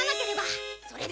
それでは。